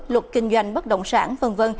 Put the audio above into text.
luật kinh doanh bất động sản v v